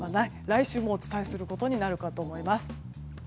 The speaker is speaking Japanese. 来週もお伝えすることになるかと思います。